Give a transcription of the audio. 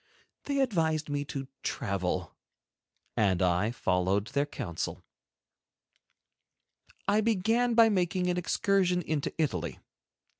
They advised me to travel, and I followed their counsel. II. I began by making an excursion into Italy.